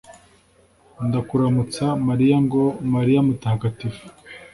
ndakuramutsa mariya ngo “mariya mutagatifu,